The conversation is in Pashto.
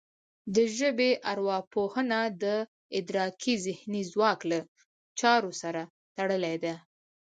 د ژبې ارواپوهنه د ادراکي ذهني ځواک له چارو سره تړلې ده